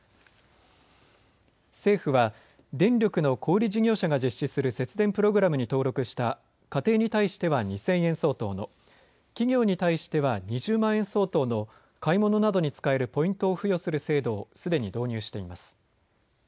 政府は電力の小売り事業者が実施する節電プログラムに登録した家庭に対しては２０００円相当の、企業に対しては２０万円相当の買い物などに使えるポイントを付与する制度をすでに導入しています。